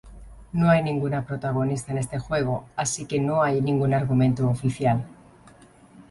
No hay ninguna protagonista en este juego, así que no hay ningún argumento oficial.